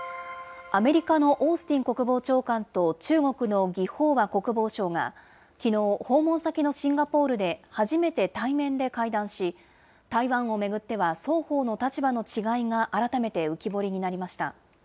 アメリカのオースティン国防長官と中国の魏鳳和国防相が、きのう、訪問先のシンガポールで初めて対面で会談し、台湾を巡っては双方の立場の違いが改めて浮き彫りになりました。